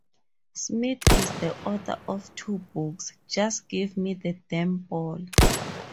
Smith is the author of two books: Just Give Me the Damn Ball!